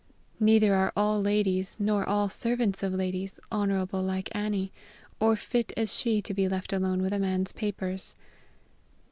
Neither are all ladies, nor all servants of ladies, honorable like Annie, or fit as she to be left alone with a man's papers.